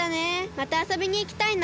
またあそびにいきたいな。